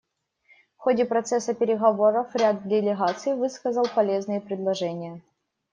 В ходе процесса переговоров ряд делегаций высказал полезные предложения.